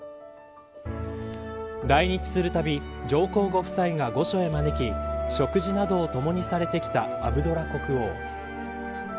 来日するたび上皇ご夫妻が御所へ招き食事などをともにされてきたアブドラ国王。